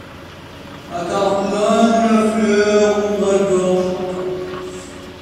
À Cartlane où la fleur mandragore chanta